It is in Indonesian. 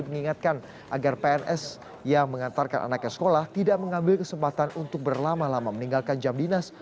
mengingatkan agar pns yang mengantarkan anaknya sekolah tidak mengambil kesempatan untuk berlama lama meninggalkan jam dinas